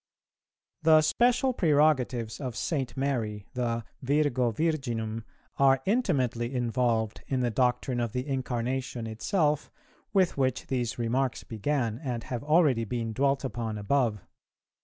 _ The special prerogatives of St. Mary, the Virgo Virginum, are intimately involved in the doctrine of the Incarnation itself, with which these remarks began, and have already been dwelt upon above.